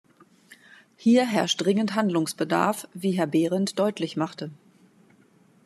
Hier herrscht dringend Handlungsbedarf, wie Herr Berend deutlich machte.